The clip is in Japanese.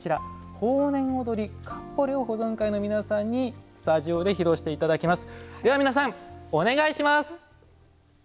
「豊年踊り」を保存会の皆さんにスタジオで披露していただきます。